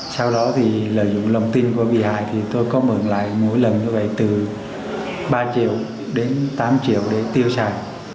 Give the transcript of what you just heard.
sau đó thì lợi dụng lòng tin của bị hại thì tôi có mượn lại mỗi lần như vậy từ ba triệu đến tám triệu để tiêu xài